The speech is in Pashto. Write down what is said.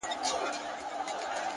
نیک عمل له یادونو اوږد عمر لري،